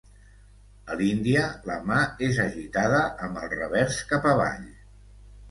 A l'Índia, la mà és agitada amb el revers cap avall.